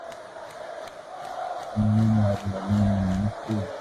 Kwani maneno yaliyonenwa ni yapi?